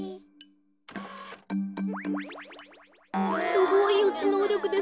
すごいよちのうりょくですね。